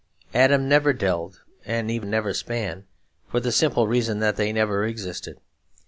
'Adam never delved and Eve never span, for the simple reason that they never existed.